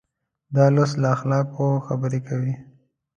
دا لوست له اخلاقو خبرې کوي.